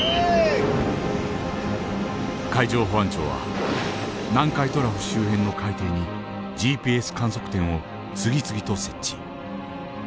海上保安庁は南海トラフ周辺の海底にＧＰＳ観測点を次々と設置。